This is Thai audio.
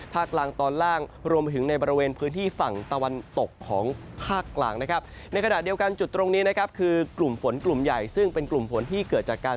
ภาคล่างตอนล่างรวมถึงในบริเวณพื้นที่ฝั่งตะวันตก